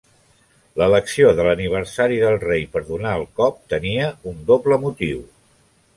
L'elecció de l'aniversari del rei per donar el cop tenia un doble motiu.